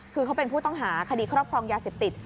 คือเขาเป็นผู้ต้องหาคดีครอบครองยาเสพติด